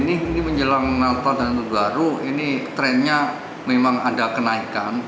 ini menjelang natal dan tahun baru ini trennya memang ada kenaikan